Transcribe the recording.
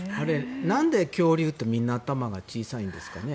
なんで恐竜ってみんな頭が小さいんですかね。